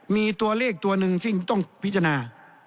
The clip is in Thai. มีตัวเลขตัวหนึ่งซึ่งต้องพิจารณา